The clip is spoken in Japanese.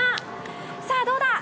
さぁ、どうだ！